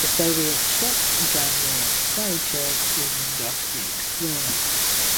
The Soviet ship "Gavril Sarychev" was named after the explorer.